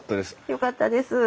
よかったです。